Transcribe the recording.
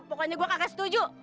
pokoknya gue kagak setuju